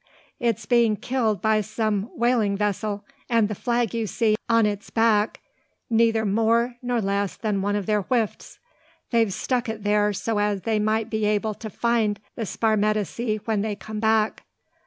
It's been killed by some whaling vessel; and the flag you see on its back's neyther more nor less than one o' their whifts. They've stuck it there, so as they might be able to find the sparmacety when they come back.